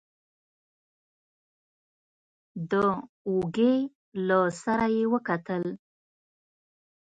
د اوږې له سره يې وکتل.